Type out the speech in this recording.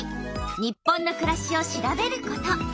「日本のくらし」を調べること。